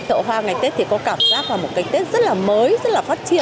chợ hoa ngày tết thì có cảm giác vào một cái tết rất là mới rất là phát triển